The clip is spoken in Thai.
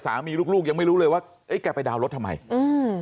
ลูกลูกยังไม่รู้เลยว่าเอ๊ะแกไปดาวน์รถทำไมอืม